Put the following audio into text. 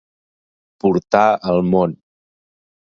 Portar al món.